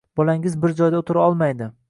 Bolangiz bir joyda o‘tira olmaydi